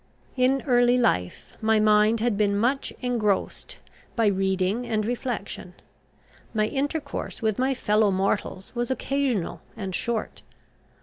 In early life my mind had been much engrossed by reading and reflection: my intercourse with my fellow mortals was occasional and short.